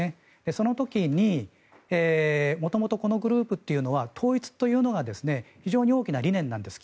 その時に元々このグループというのは統一というのが非常に大きな理念なんです。